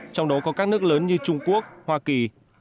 trong đó có các nước lớn như trung quốc hoa kỳ